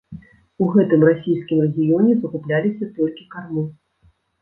У гэтым расійскім рэгіёне закупляліся толькі кармы.